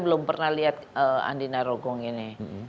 belum pernah lihat andi narogong ini